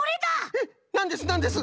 えっなんですなんです？